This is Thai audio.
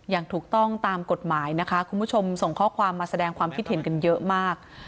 อย่างถูกต้องตามกฎหมายนะคะคุณผู้ชมส่งข้อความมาแสดงความคิดเห็นกันเยอะมาก